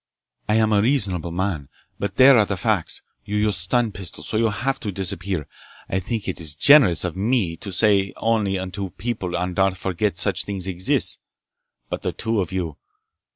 I am a reasonable man, but there are the facts! You used stun pistols, so you have to disappear. I think it generous for me to say only until people on Darth forget that such things exist. But the two of you